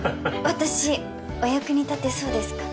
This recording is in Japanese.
私お役に立てそうですか？